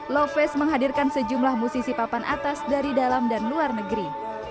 lovest menghadirkan sejumlah musisi papan atas dari dalam dan luar negeri